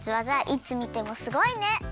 いつみてもすごいね！